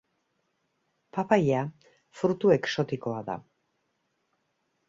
Papaia fruitu exotikoa da.